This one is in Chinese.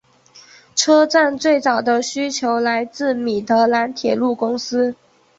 车站最早的需求来自米德兰铁路公司。